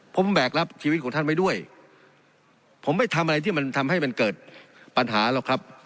ผมแบกรับชีวิตของท่านไว้ด้วยผมไม่ทำอะไรที่มันทำให้มันเกิดปัญหาหรอกครับ